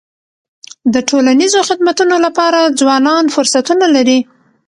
د ټولنیزو خدمتونو لپاره ځوانان فرصتونه لري.